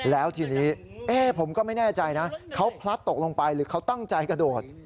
แล้วทีนี้ผมก็ไม่แน่ใจนะเขาพลัดตกลงไปหรือเขาตั้งใจกระโดด